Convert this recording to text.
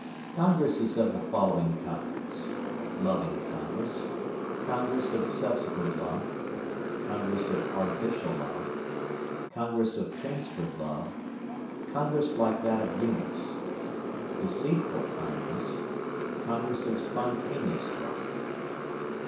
Congress is of the following kinds, viz.: Loving congress. Congress of subsequent love. Congress of artificial love. Congress of transferred love. Congress like that of eunuchs. Deceitful congress. Congress of spontaneous love.